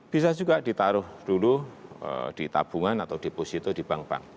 bisa juga ditaruh dulu di tabungan atau deposito di bank bank